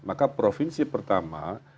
maka provinsi pertama